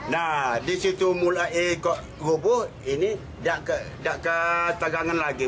nah disitu mulai ke rubuh ini tidak keterangan lagi